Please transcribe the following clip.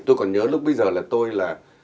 tôi còn nhớ lúc bây giờ là tôi là